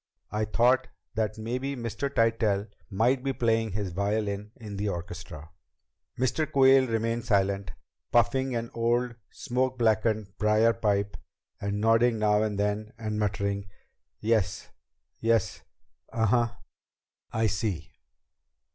I thought that maybe Mr. Tytell might be playing his violin in the orchestra." Mr. Quayle remained silent, puffing on an old smoke blackened briar pipe and nodding now and then and muttering "Yes. ... Yes. ... Uh huh. ... I see."